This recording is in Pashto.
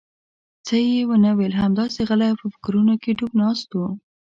څه یې ونه ویل، همداسې غلی او په فکرونو کې ډوب ناست و.